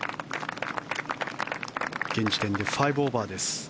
現時点で５オーバーです。